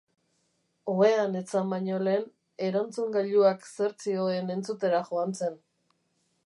Ohean etzan baino lehen, erantzungailuak zer zioen entzutera joan zen.